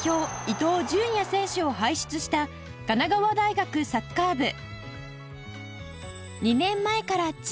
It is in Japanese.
伊東純也選手を輩出した神奈川大学サッカー部